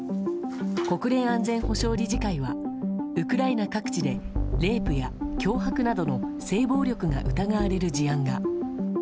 国連安全保障理事会はウクライナ各地でレイプや脅迫などの性暴力が疑われる事案が。